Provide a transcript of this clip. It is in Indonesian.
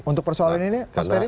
untuk persoalan ini mas ferry